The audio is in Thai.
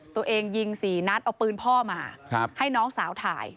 ตัวเองยิง๔นัดเอาปืนพ่อมาให้น้องสาวถ่าย